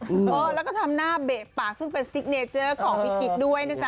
แล้วก็ทำหน้าเบะปากซึ่งเป็นซิกเนเจอร์ของพี่กิ๊กด้วยนะจ๊